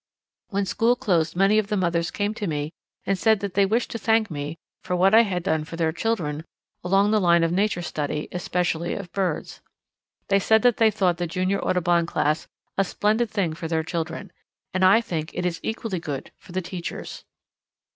When school closed many of the mothers came to me and said that they wished to thank me for what I had done for their children along the line of nature study, especially of birds. They said that they thought the Junior Audubon Class a splendid thing for their children. And I think it is equally good for the teachers."